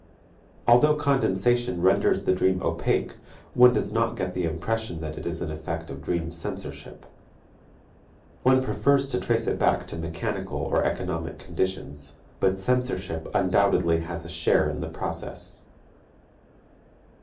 Although condensation renders the dream opaque, one does not get the impression that it is an effect of dream censorship. One prefers to trace it back to mechanical or economic conditions; but censorship undoubtedly has a share in the process.